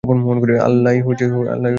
আল্লাহই তওফীক দাতা।